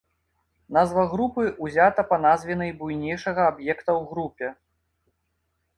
Назва групы ўзята па назве найбуйнейшага аб'екта ў групе.